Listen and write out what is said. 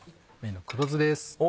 黒酢です。